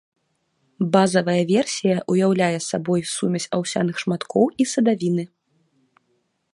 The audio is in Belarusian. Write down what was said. Базавая версія ўяўляе сабой сумесь аўсяных шматкоў і садавіны.